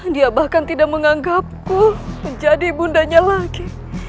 dia bahkan tidak menganggap ku menjadi bundanya lagi